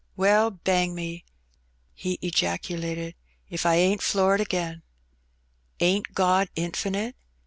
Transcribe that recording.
" Well, bang me !" he ejaculated, '* if I ain't floored again. Ain't God infinite